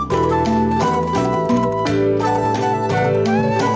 temukan sama in twelve